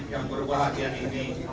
yang berbahagia ini